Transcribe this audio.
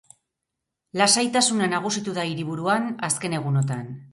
Lasaitasuna nagusitu da hiriburuan, azken egunotan.